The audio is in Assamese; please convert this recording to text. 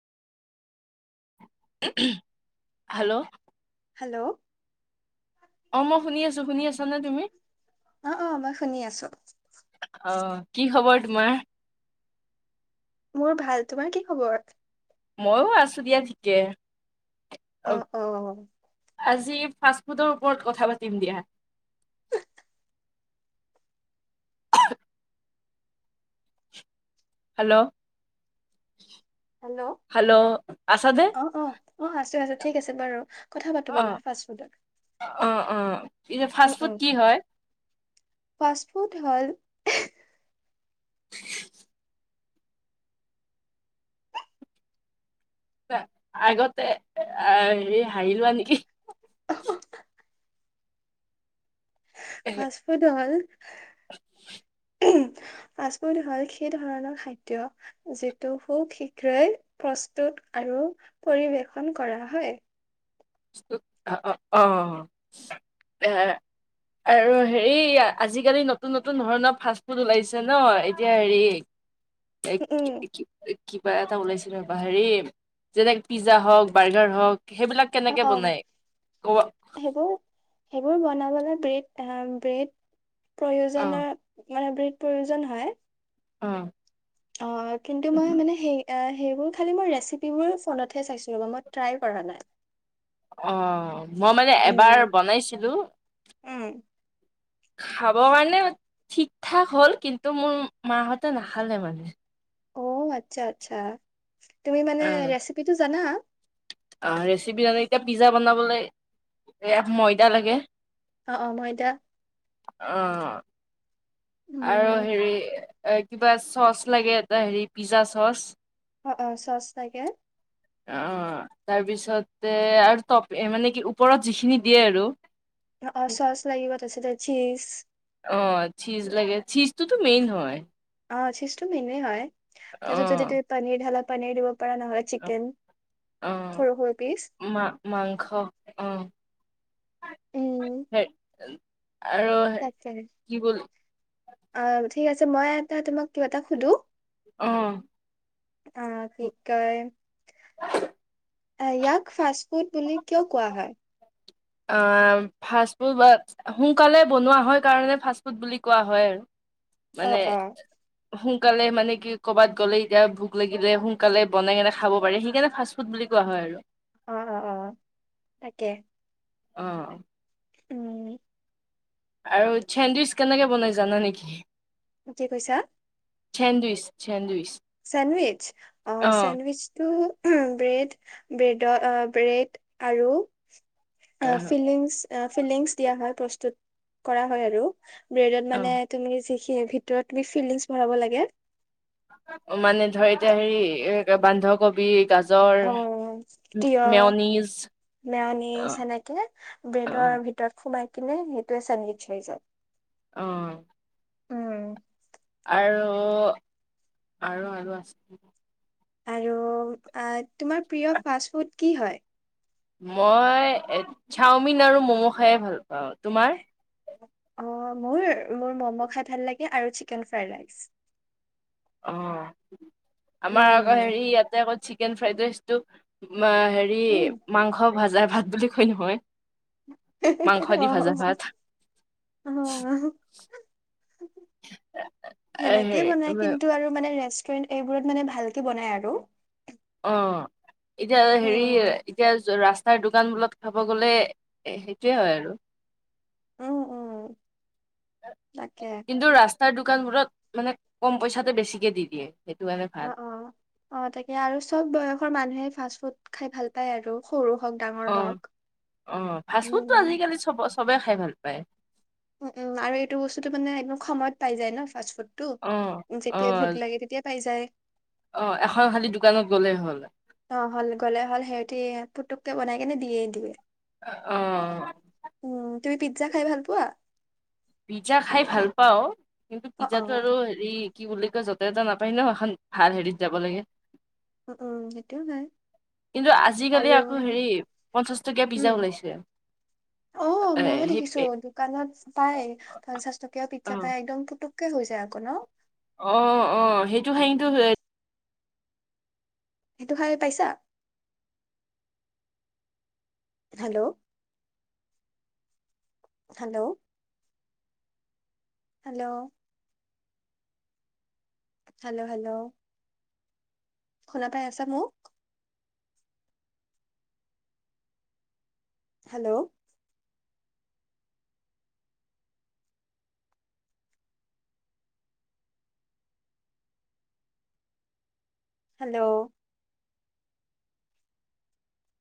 হেল্ল'। হেল্ল'। অ মই শুনি আছো শুনি আছো। তুমি অ অ মই শুনি আছো অ। কি খবৰ তোমাৰ। মোৰ ভাল তোমাৰ কি খবৰ। মইো আছো দিয়া ঠিকে। অ অ অ আজি ফাষ্ট ফুডৰ ওপৰত কথা পাতিম দিয়া হেল্ল' হেল্ল' হেল্ল' আছা নে অ অ অ আছো আছো ঠিক আছে বাৰু কথা পাতো অ ব'লা ফা ফুডত অ অ পিছে ফাষ্ট ফুড কি হয় পাষ্টপোৰ্ট হল আগতে আহ হেৰি হাৰি লোৱা নেকি ফাষ্টফুড হ'ল হয় [inaudible] ফাষ্টফুড হ'ল সেই ধৰণৰ খাদ্য যিটো সু শীঘ্ৰেই প্ৰস্তুত আৰু পৰিবেশন কৰা হয় অ অ আৰু হেৰি আজিকালি নতুন নতুন ধৰণৰ ফাষ্ট ফুড ওলাইছে ন এতিয়া হেৰি এক উম কিবা এটা ওলাইছিল ৰব হেৰি যেনেক পিজ্জা হওক বাৰ্গাৰ হওক সেইবিলাক অ কেনেকে অ বনাই কব অ সেইবোৰ সেইবোৰ বনাবলৈ ব্ৰেড ব্ৰেড প্ৰয়োজ অ মানে প্ৰয়োজন হয় অ অ কিন্তু মই মানে সেই সেইবোৰ খাল মই ৰেচিপিবোৰ ফোনতে চাইাই কৰা নাই অ মই মানে এবাৰ উম বনাইছিলো উম। খাব কাৰণে ঠিক ঠাক হ'ল কিন্তু মোৰ মাহঁতে নাখালে মানে অ আচ্ছা আচ্ছা তুমি মানে অ ৰেচিপিটো জানা অ ৰেচিপি জানে এতিয়া পিজ্জা বনাবলৈ এ ময়দা লাগে অ অ মইদা আহ আৰু উম। হেৰি এ কিবা চচ লাগে এটা হেৰি পিজ্জা চচ অ অ চচ তাগে অ তাৰপিছতে আৰু তটপ মানে কি ওপৰত যিখিনি দিয়ে আৰু অ অ চ'চ লাগিিব তছে ত চিজ অ চিজ লাগে চিজটোতো মেইন হয় অ চিষ্টু মেনুৱে হয় তছাতত যদি অ'। তুমি পীীৰ ঢাল পান দিব নহ চিকেন অ', সৰু সৰু পি মা মাংস অ', উ হে আৰু আৰু কি বোল অ ঠিক আছে মই এটা তোমাক কিবা এটা সুধো অ'। আহ কি কয় ইয়াক ফাষ্ট ফুড বুলি কিয় কোৱা হয় অ ফাষ্ট ফুড বা সোনকালে বনোৱা হয় কাৰণে ফাষ্ট ফুড বুলি কোৱা হয় আৰু অ মানে অ। সো সোনকালে মানে কি ক'ৰবাত গ'লে এতিয়া ভোক লাগিলে সোনকালে বনাই কেনে খাব পাৰে সেইকাৰণে ফাষ্ট ফুড বুলি কোৱা হয় আৰু অ অ অ তাকে অ উম আৰু চেনদিচ কেনেকে বনাই জানা নেকি কি কৈছা চেন্দুছ চেন্দুৱছ চেণ্ডৱচ অ চেণ্ডৱচটো উও ব্ৰেড ব্ৰেডদৰ ব্ৰেড আৰু অ অ', ফিলিংছ অহ ফিলিংছ দিয়া হয় প্ৰস্তুত কৰা হয় আৰু ব্ৰেডত মানে অ', তুমি যি সি ভিতৰত তুমি চিলিংছ ভৰাব লাগে মানে ধৰ এতিয়া হেৰি বান্ধকবি গছ অ তিঁয়হ মেৰানী অ চেনেকে অ ব্ৰেডৰ ভিতৰত সোমাই কি নে সেই তোয়ে চেনবি হয় য়ায় আহ উম আৰু আৰু আৰু আছে আৰু তোমাৰ প্ৰিয় ফাষ্ট ফুড কি হয় মই চাওমিন আৰু মম' খাইে ভাল পাওঁ তোমাৰ অ মোৰ মোৰ মম' খাই ভাল লাগে আৰু চিকেন ফ্ৰাইড ৰাইচ অ আমাৰ আকৌ উম, হেৰি ইয়াতে চি চিকেন ফ্ৰাইড ৰাইছটো অ হেৰি উম, মাংস ভাজা ভাত বুলি কয় নহয় মাংস হু দি আহ ভাজা ভাত আহ এ, সেনেকেই হেৰি বনাই ব- কিন্তু আৰু ৰেচেপি বোৰত মানে ভালকে বনাই আৰু অ এতিয়া হেৰি উম, এতিয়া ৰাস তাৰ দোকান বলত খাব গ'লে সেইটোয়ে হয় আৰু আহ অ কিন্তু ৰাস্তাৰ দোকানবোৰত মানে কম পইচাতে বেছিকে দি দিয়ে সেইটো কাৰণে অ ভাল অ অ তাকে আৰু চব বয়সৰ মানুহে ফাষ্ট ফুড খাই ভাল পায় আৰু সৰু হওক ডাঙৰ অ হওক। অ ফাষ্ট ফুডটো উম, আজিকালি চব চবে খাই ভাল পাই উম উম আৰু এইটো বস্তুতটো মানে একদম সময়ত পাই যায় ন ফাষ্ট ফুড টো অ', যেতিয়াই ভোক অ', লাগে তেতিয়া পাই যায় অ এখন খালি দোকানত গ'লেই হ'ল অ হল গ'লে হ'ল সিহতি পুতুককে বনাই কেনে দিয়ে দিবে অ তুমি পিজ্জা খাই ভাল পোৱা পিজ্জা খাই ভাল পাওঁ কিন্তু অ', পিজ্জাটো অ', আৰু হেৰি কি বুলি য'তে ত নাপায়ি ন সখন ভাল হেৰিত যাব লাগে উ উম সেইটোও হয় কিন্তু আজিকালি আৰু আকৌ হেৰি পঞ্চাশ টকীয়া পিজ্জা উম ওলাইছে। অ এ মইো সেই দেখিছো দোকানত পাই পঞ্চাছ টকীয়া পি্জা অ', পাই একদম পুটু হৈ যায় আকৌ ন অ অ সেইটো হহটো সেইটো খাই পাইছা hello hello hello hello hello শুনা পাই আছা মোক হেল্ল' হেল্ল'